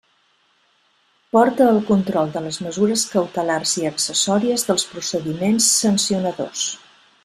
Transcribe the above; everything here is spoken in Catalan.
Porta el control de les mesures cautelars i accessòries dels procediments sancionadors.